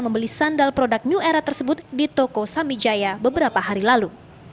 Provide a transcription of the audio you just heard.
membeli sandal produk new era tersebut di toko samijaya beberapa hari lalu